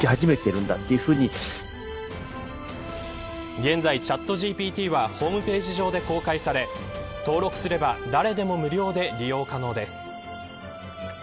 現在、ＣｈａｔＧＰＴはホームページ上で公開され登録すれば誰でも無料で利用可能です。